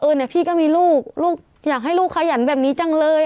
เนี่ยพี่ก็มีลูกลูกอยากให้ลูกขยันแบบนี้จังเลย